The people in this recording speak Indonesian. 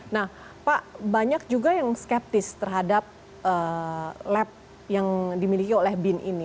nah pak banyak juga yang skeptis terhadap lab yang dimiliki oleh bin ini